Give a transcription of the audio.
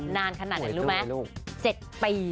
นานขนาดไหนรู้ไหม๗ปี